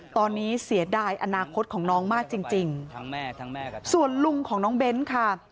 ตอนนี้เสียดายอนาคตของน้องมากจริงส่วนลุงของน้องเบ้นค่ะ